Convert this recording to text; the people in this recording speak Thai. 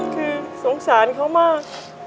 คือสงสารเขามาก